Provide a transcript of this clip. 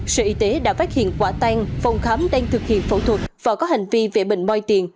sở y tế đã phát hiện quả tan phòng khám đang thực hiện phẫu thuật và có hành vi vẽ bệnh môi tiền